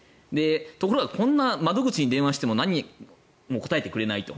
ところがこんな窓口に電話しても何も答えてくれないと。